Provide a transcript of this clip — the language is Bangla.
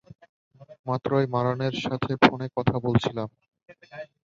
মাত্রই মারানের সাথে ফোনে কথা বলছিলাম।